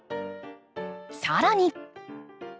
さらに。